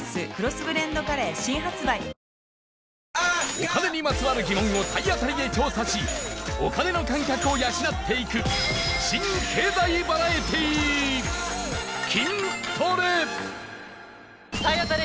お金にまつわる疑問を体当たりで調査しお金の感覚を養っていく新経済バラエティー体当たり